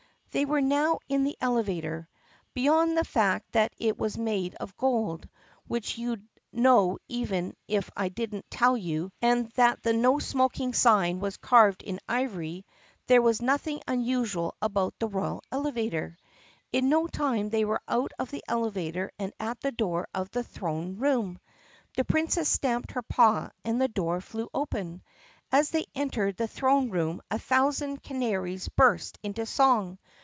They were now in the elevator. Beyond the fact that it was made of gold, which you 'd know even if I did n't tell you, and that the "NO SMOKING" sign was carved in ivory, there was nothing unusual about the royal elevator. In no time they were out of the elevator and at the door of the throne room. The Princess stamped her paw and the door flew open. As they entered the throne room a thousand cana ries burst into song.